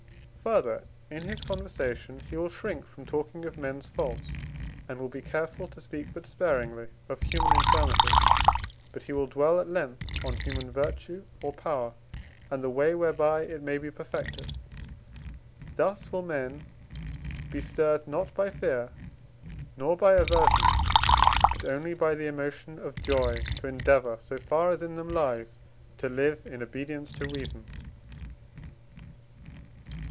Further, in his conversation he will shrink from talking of men's faults, and will be careful to speak but sparingly of human infirmity: but he will dwell at length on human virtue or power, and the way whereby it may be perfected. Thus will men be stirred not by fear, nor by aversion, but only by the emotion of joy, to endeavour, so far as in them lies, to live in obedience to reason.